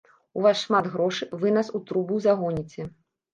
У вас шмат грошай, вы нас у трубу загоніце!